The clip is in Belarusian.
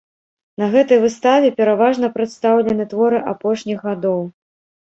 На гэтай выставе пераважна прадстаўлены творы апошніх гадоў.